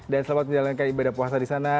dan selamat menjalankan ibadah puasa di sana